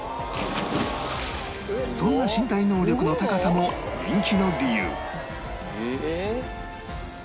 そんな身体能力の高さも人気の理由